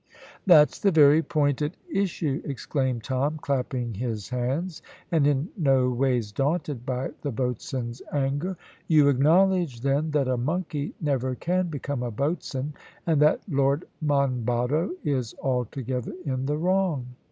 "That's the very point at issue!" exclaimed Tom, clapping his hands, and in no ways daunted by the boatswain's anger. "You acknowledge, then, that a monkey never can become a boatswain, and that Lord Monboddo is altogether in the wrong?"